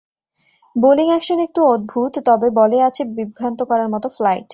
Bowling action একটু অদ্ভুত, তবে বলে আছে বিভ্রান্ত করার মতো ফ্লাইট।